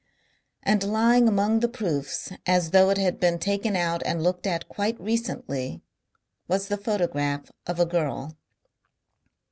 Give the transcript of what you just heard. And lying among the proofs, as though it had been taken out and looked at quite recently was the photograph of a girl.